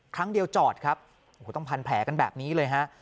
ครั้งเดียวจอดครับโอ้โหต้องพันแผลกันแบบนี้เลยฮะ